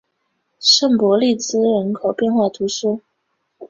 圣博利兹人口变化图示